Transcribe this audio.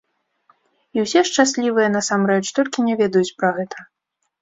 І ўсе шчаслівыя насамрэч, толькі не ведаюць пра гэта.